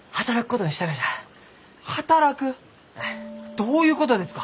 どういうことですか？